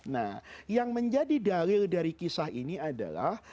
nah yang menjadi dalil dari kisah ini adalah